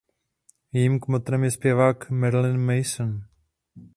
Jejím kmotrem je zpěvák Marilyn Manson.